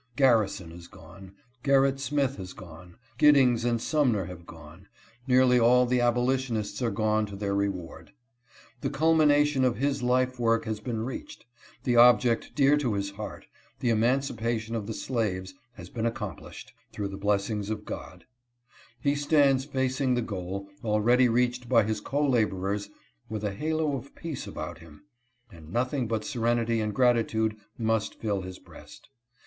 Garrison has gone, Gerritt Smith has gone, Giddingsand Sumner have gone, — nearly all the abolition ists are gone to their reward. The culmination of his life work has been reached ; the object dear to his heart — the Emancipation of the slaves — had been accomplished, through the blessings of God; he stands facing the goal, already reached by his co laborers, with a halo of peace about him, and nothing but serenity and gratitude must fill his breast.